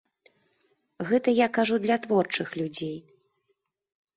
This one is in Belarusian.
Гэта я кажу для творчых людзей.